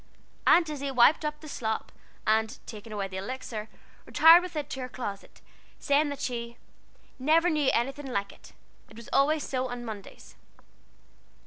Aunt Izzie wiped up the slop, and taking away the Elixir, retired with it to her closet, saying that she "never knew anything like it it was always so on Mondays."